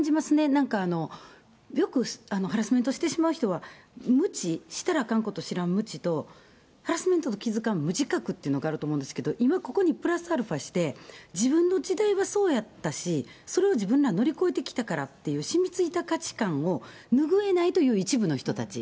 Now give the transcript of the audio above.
なんか、よくハラスメントしてしまう人は無知、したらあかんこと知らん無知と、ハラスメントをしてるの気付かない無自覚っていうのがあると思うんですけど、今ここにプラスアルファして、自分の時代はそうやったし、それは自分は乗り越えてきたからっていう、染みついた価値観を、拭えないという一部の人たち。